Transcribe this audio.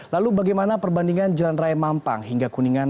lalu bagaimana perbandingan jalan raya mampang hingga kuningan